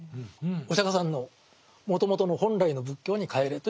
お釈迦さんのもともとの本来の仏教に返れということ。